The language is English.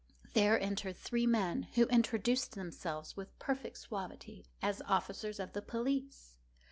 There entered three men, who introduced themselves, with perfect suavity, as officers of the police.